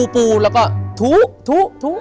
ปูแล้วก็ถุ